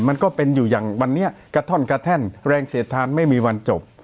มันก็เป็นอยู่อย่างวันนี้กระท่อนกระแท่นแรงเสียดทานไม่มีวันจบ